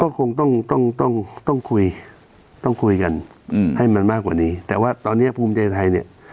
ก็คงต้องคุยกันให้มันมากกว่านี้แต่ว่าตอนนี้ภูมิใจไทยเนี่ย